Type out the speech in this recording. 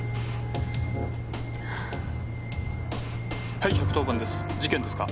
☎はい１１０番です事件ですか？